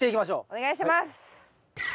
お願いします！